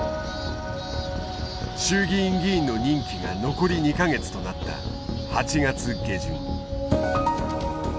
衆議院議員の任期が残り２か月となった８月下旬。